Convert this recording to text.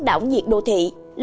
đảo nhiệt đô thị